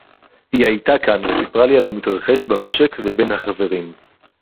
הִיא הָיְיתָה כָּאן וְסִיפְּרָה לִי עַל הַמִתְרַחֵש בַּמַשָק וּבֵין הַחֲבֵרִים.